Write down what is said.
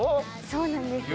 そうなんです。